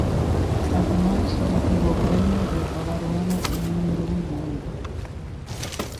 Ademais, recibe o premio de acabar o ano como número un do mundo.